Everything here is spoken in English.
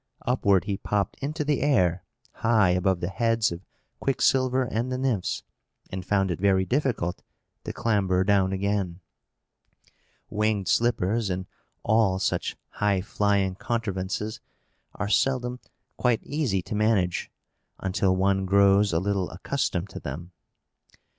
upward he popped into the air, high above the heads of Quicksilver and the Nymphs, and found it very difficult to clamber down again. Winged slippers, and all such high flying contrivances, are seldom quite easy to manage until one grows a little accustomed to them.